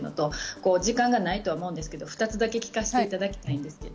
時間がないと思いますが２つだけ聞かせていただきたいんです。